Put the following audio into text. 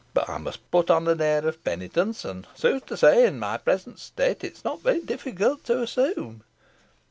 But I must put on an air of penitence, and sooth to say, in my present state, it is not very difficult to assume."